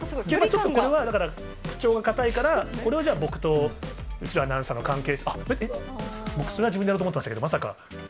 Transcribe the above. ちょっとこれは、だから口調が堅いから、これをじゃあ、僕と後呂アナウンサーの関係性、それは自分でやろうと思ってましたけど、まさか。